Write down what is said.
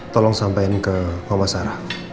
tolong sampein ke mama sarah